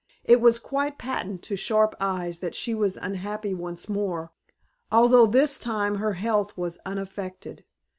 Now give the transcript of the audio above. It was quite patent to sharp eyes that she was unhappy once more, although this time her health was unaffected.